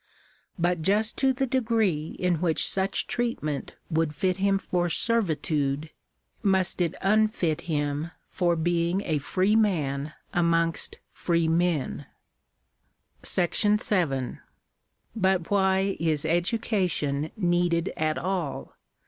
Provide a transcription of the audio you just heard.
Sut just to the degree in which such treatment would fit him for servitude, must it unfit him for being a free man amongst free men. §7. But why is education needed at all